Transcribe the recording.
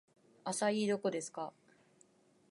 アサイーどこですか